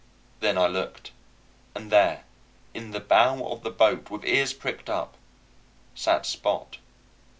Then I looked; and there, in the bow of the boat, with ears pricked up, sat Spot.